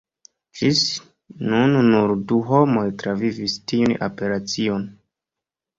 Ĝis nun nur du homoj travivis tiun operacion!